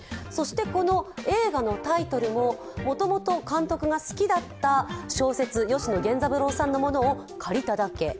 この映画のタイトルも、もともと監督が好きだった小説、吉野源三郎さんのものを借りただけ。